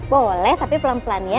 boleh tapi pelan pelan ya